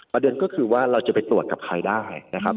ประเด็นก็คือว่าเราจะไปตรวจกับใครได้นะครับ